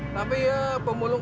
tapi ya pemulung